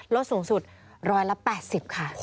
ลดสูงสุด๑๘๐ค่ะ